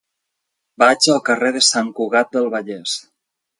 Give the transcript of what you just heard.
Vaig al carrer de Sant Cugat del Vallès.